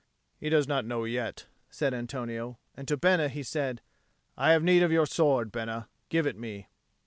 "He does not know yet," said Antonio. And to Bena he said, "I have need of your sword, Bena. Give it me."